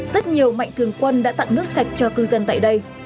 rất nhiều mạnh thường quân đã tặng nước sạch cho cư dân tại đây